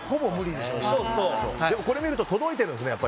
でも、これを見ると届いてるんですね。